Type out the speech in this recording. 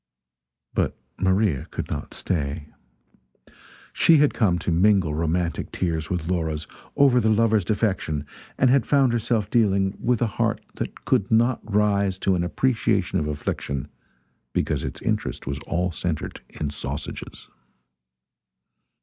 But Maria could not stay. She had come to mingle romantic tears with Laura's over the lover's defection and had found herself dealing with a heart that could not rise to an appreciation of affliction because its interest was all centred in sausages.